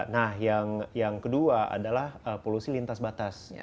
nah yang kedua adalah polusi lintas batas